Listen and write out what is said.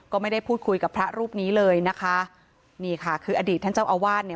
ก็ไม่ได้พูดคุยกับพระรูปนี้เลยนะคะนี่ค่ะคืออดีตท่านเจ้าอาวาสเนี่ย